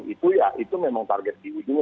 itu ya itu memang target di ujung